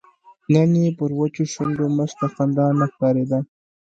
نن یې پر وچو شونډو مسته خندا نه ښکاریږي